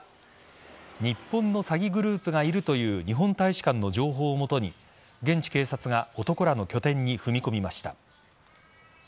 日本の詐欺グループがいるという日本大使館の情報をもとに現地警察が男らの拠点に踏み込みました。